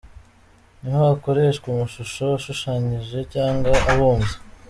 Niho hakoreshwa amashusho ashushanyije cyangwa abumbye.